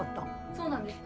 そうなんですか？